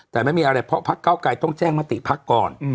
แต่ไม่มีอะไรเพราะพักเก้าไกรต้องแจ้งมติพักก่อน